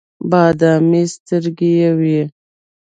بادامي سترګې یې وې.